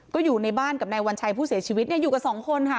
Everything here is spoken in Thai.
ก็อยู่ในบ้านกับนายวัญชัยผู้เสียชีวิตเนี่ยอยู่กับสองคนค่ะ